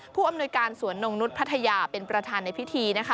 ผู้อำนวยการสวนนงนุษย์พัทยาเป็นประธานในพิธีนะคะ